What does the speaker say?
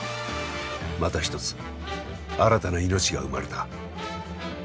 また一つ新たな命が生まれた。